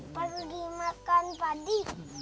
lalu dimakan padi